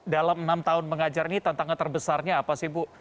dalam enam tahun mengajar ini tantangan terbesarnya apa sih bu